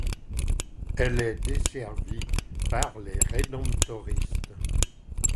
Elle est desservie par les rédemptoristes.